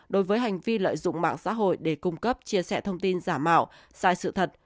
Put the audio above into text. đối với hành vi lợi dụng mạng xã hội để cung cấp chia sẻ thông tin giả mạo sai sự thật